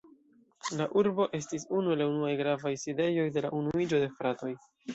La urbo estis unu el la unuaj gravaj sidejoj de la Unuiĝo de fratoj.